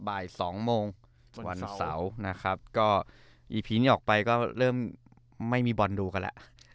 บ่ายสองโมงวันเสาร์นะครับก็อีพีนี้ออกไปก็เริ่มไม่มีบอลดูกันแล้ว